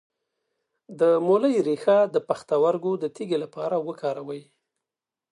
د مولی ریښه د پښتورګو د تیږې لپاره وکاروئ